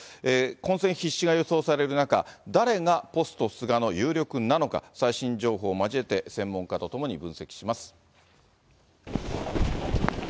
混戦必至が予想される中、誰がポスト菅の有力なのか、最新情報を交えて、専門家と共に分析します。